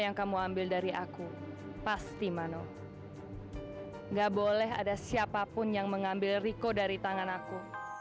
gak boleh ada siapapun yang mengambil riko dari tangan aku